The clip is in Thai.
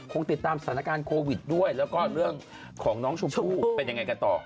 คงติดตามสถานการณ์โควิดด้วยแล้วก็เรื่องของน้องชมพู่เป็นยังไงกันต่อ